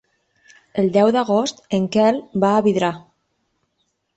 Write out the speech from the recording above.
El deu d'agost en Quel va a Vidrà.